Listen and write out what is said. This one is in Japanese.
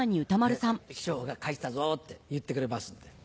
師匠が「帰ってきたぞ」って言ってくれますので。